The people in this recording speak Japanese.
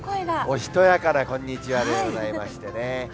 おしとやかなこんにちはでございましてね。